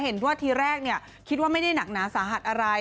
เห็นว่าทีแรกคิดว่าไม่ได้หนักหนาสาหัสอะไร